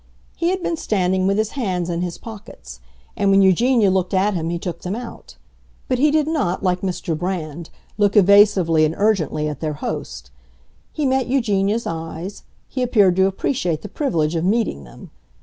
He had been standing with his hands in his pockets; and when Eugenia looked at him he took them out. But he did not, like Mr. Brand, look evasively and urgently at their host. He met Eugenia's eyes; he appeared to appreciate the privilege of meeting them.